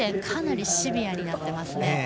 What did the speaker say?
かなりシビアになっていますね。